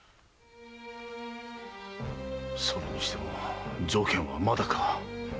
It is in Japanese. それにしても如見はまだか。